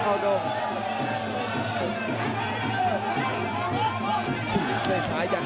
โอ้โหต่อกับทีมซ้ายโอ้โหโอ้โห